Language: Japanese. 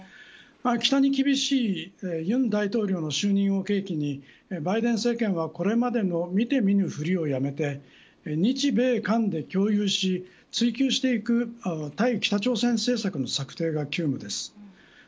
北に厳しい尹大統領の就任を契機にバイデン政権はこれまでの見て見ぬふりをやめて日米韓で共有し追及していく対